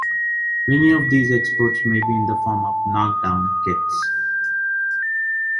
Many of these exports may be in the form of knock-down kits.